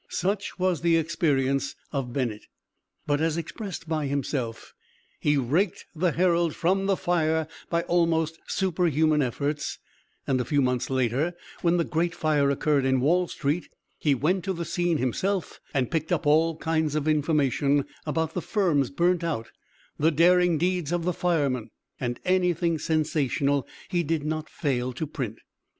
Such was the experience of Bennett, but as expressed by himself, he raked the Herald from the fire by almost superhuman efforts, and a few months later, when the great fire occurred in Wall street, he went to the scene himself and picked up all kinds of information about the firms burnt out, the daring deeds of the firemen, and anything sensational he did not fail to print.